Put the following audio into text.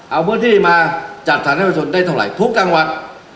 เอาพื้นที่มาจัดสรรให้ประชนได้เท่าไหร่ทุกกลางวัน